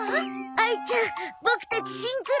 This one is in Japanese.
あいちゃんボクたちシンクロ。